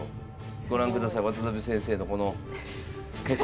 ご覧ください渡辺先生のこのへこんだ姿を。